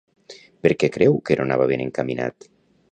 Per què creu que no anava ben encaminat?